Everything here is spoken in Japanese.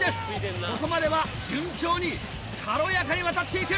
ここまでは順調に軽やかに渡っていく！